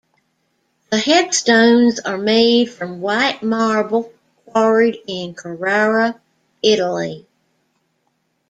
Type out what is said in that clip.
The headstones are made from white marble quarried in Carrara, Italy.